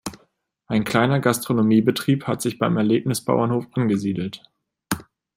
Ein kleiner Gastronomiebetrieb hat sich beim Erlebnisbauernhof angesiedelt.